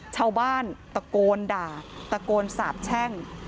ชาวบ้านตะโกนด่าตะโกนสาบแช่ง